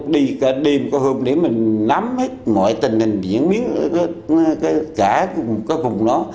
đi cả đêm có hôm để mình nắm hết ngoại tình hình diễn biến cả cái vùng đó